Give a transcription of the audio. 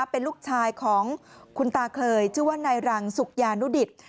เป็นลูกชายของคุณตาเคยชื่อว่านายรังสุขยานุดิต